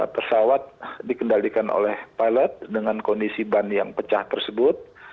pesawat dikendalikan oleh pilot dengan kondisi ban yang pecah tersebut